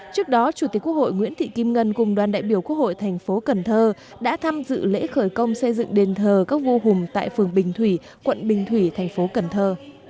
trước đó chủ tịch quốc hội nguyễn thị kim ngân cùng đoàn đại biểu quốc hội thành phố cần thơ đã tham dự lễ khởi công xây dựng đền thờ các vô hùng tại phường bình thủy quận bình thủy thành phố cần thơ